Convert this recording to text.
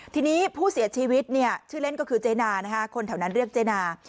ทีนี้ผู้เสียชีวิตเนี่ยชื่อเล่นก็คือเจนานะคะคนแถวนั้นเรียกเจนา